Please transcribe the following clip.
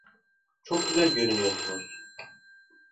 Çok güzel görünüyorsunuz.